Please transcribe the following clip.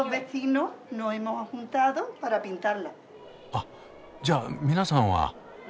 あっじゃあ皆さんは？